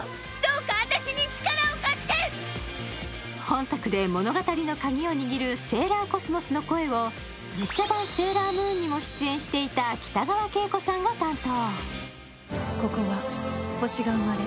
本作で物語のカギを握るセーラーコスモスの声を実写版「セーラームーン」にも出演していた北川景子さんが担当。